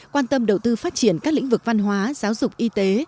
quan tâm đầu tư phát triển các lĩnh vực văn hóa giáo dục y tế